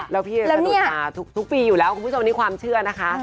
แล้วพี่สะดุดมาทุกปีอยู่แล้วคุณผู้ชมนี่ความเชื่อนะคะ